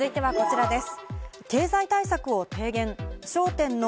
続いてはこちらです。